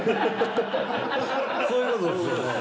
そういうことですよね。